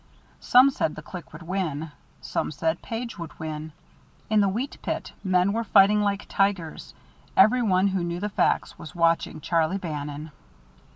Some said the Clique would win, some said Page would win; in the wheat pit men were fighting like tigers; every one who knew the facts was watching Charlie Bannon.